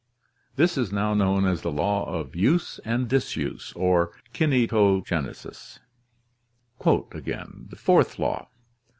This is now known as the law of use and disuse, or kinetogenesis [see Chapter XII]. "Fourth law.